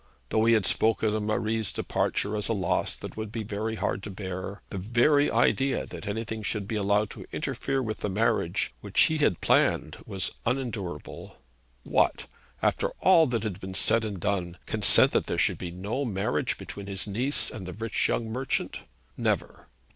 Though he had spoken of Marie's departure as a loss that would be very hard to bear, the very idea that anything should be allowed to interfere with the marriage which he had planned was unendurable. What; after all that had been said and done, consent that there should be no marriage between his niece and the rich young merchant! Never.